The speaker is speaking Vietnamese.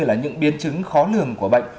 là những biến chứng khó lường của bệnh